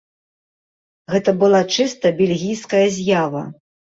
Гэта была чыста бельгійская з'ява.